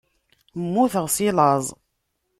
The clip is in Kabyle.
Mmuteɣ si laẓ.